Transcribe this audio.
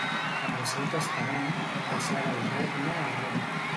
En el seu testament deixava el regne a Roma.